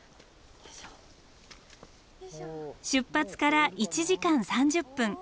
出発から１時間３０分。